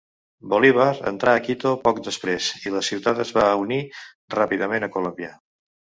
Bolívar entrà a Quito poc després i la ciutat es va unir ràpidament a Colòmbia.